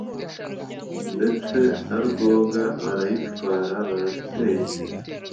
Ndetse na Rwoga barayitwara Barateye